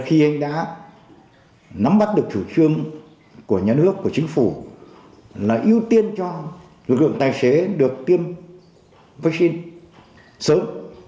khi anh đã nắm bắt được chủ trương của nhà nước của chính phủ là ưu tiên cho lực lượng tài xế được tiêm vaccine sớm